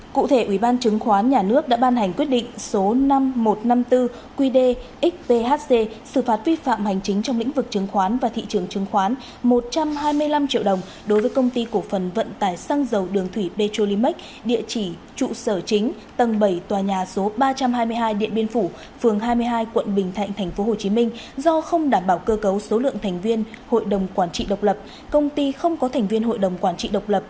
cụ thể ủy ban chứng khoán nhà nước đã ban hành quyết định số năm nghìn một trăm năm mươi bốn qdxphc xử phạt vi phạm hành chính trong lĩnh vực chứng khoán và thị trường chứng khoán một trăm hai mươi năm triệu đồng đối với công ty cổ phần vận tải xăng dầu đường thủy petrolimac địa chỉ trụ sở chính tầng bảy tòa nhà số ba trăm hai mươi hai điện biên phủ phường hai mươi hai quận bình thạnh tp hcm do không đảm bảo cơ cấu số lượng thành viên hội đồng quản trị độc lập công ty không có thành viên hội đồng quản trị độc lập